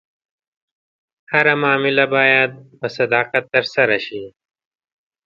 هره معامله باید په صداقت ترسره شي.